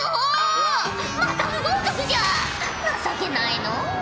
情けないのう。